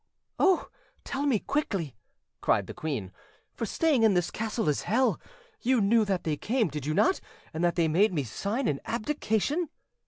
"Oh, tell me quickly!" cried the queen; "for staying in this castle is hell. You knew that they came, did you not, and that they made me sign an abdication?"